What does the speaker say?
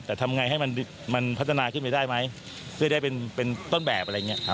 แต่ทำไงให้มันพัฒนาขึ้นไปได้ไหมเพื่อได้เป็นต้นแบบอะไรอย่างนี้ครับ